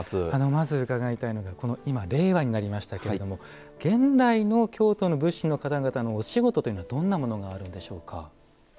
まずこの、今令和になりましたけれども現代の京都の仏師たちのお仕事というのはどんなものがあるんでしょうか。